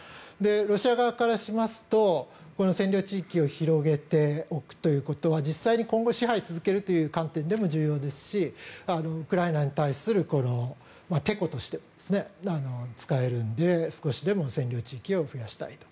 ロシア側からしますと占領地域を広げておくということは実際に今後支配を続けるという観点でも重要ですしウクライナに対してのてことしても使えるので少しでも占領地域を増やしたいと。